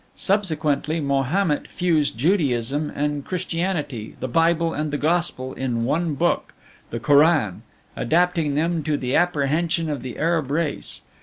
Subsequently Mahomet fused Judaism and Christianity, the Bible and the Gospel, in one book, the Koran, adapting them to the apprehension of the Arab race.